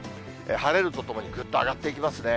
晴れるとともにぐっと上がっていきますね。